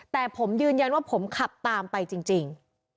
แต่ผมยืนยันว่าผมขับตามไปจริง